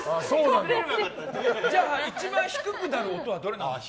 じゃあ、一番低くなる音はどれですか？